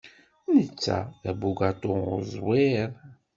Netta d abugaṭu uẓwir.